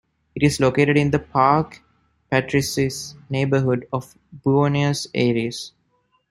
It is located in the Parque Patricios neighborhood of Buenos Aires.